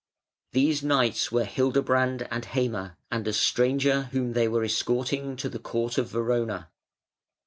These knights were Hildebrand and Heime, and a stranger whom they were escorting to the court of Verona.